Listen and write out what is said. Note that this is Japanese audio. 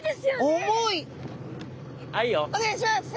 お願いします！